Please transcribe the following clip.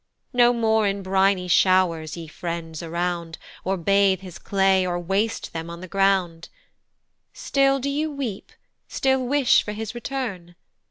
No more in briny show'rs, ye friends around, Or bathe his clay, or waste them on the ground: Still do you weep, still wish for his return?